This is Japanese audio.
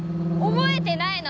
覚えてないの？